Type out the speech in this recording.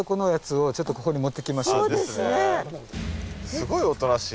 すごいおとなしい。